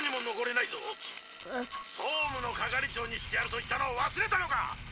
総務の係長にしてやると言ったのを忘れたのか！